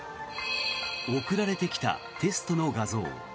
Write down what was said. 送られてきたテストの画像。